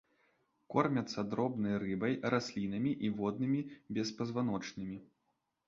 Кормяцца дробнай рыбай, раслінамі і воднымі беспазваночнымі.